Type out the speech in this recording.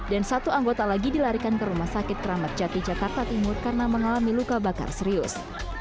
dan satu anggota lagi dilarikan ke rumah sakit keramat jati jakarta timur karena mengalami luka bakar serius